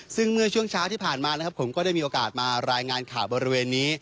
ซึ่งเมื่อช่วงเช้าที่ผ่านมานะครับผมก็ได้มีโอกาสมารายงานข่าวบริเวณนี้